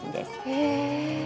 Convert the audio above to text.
へえ。